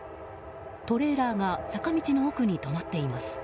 トレーラーが坂道の奥に止まっています。